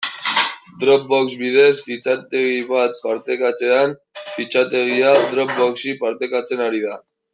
Dropbox bidez fitxategi bat partekatzean, fitxategia Dropboxi partekatzen ari da.